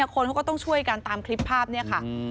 คนเขาก็ต้องช่วยกันตามคลิปภาพนี้ค่ะ